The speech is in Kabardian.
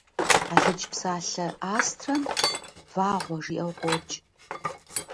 Алыдж псалъэ «астрэм» «вагъуэ» жиӏэу къокӏ.